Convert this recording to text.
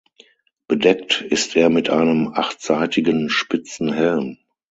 Bedeckt ist er mit einem achtseitigen spitzen Helm.